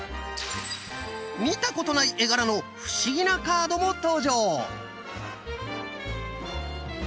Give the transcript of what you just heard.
見たことない絵柄の不思議なカードも登場！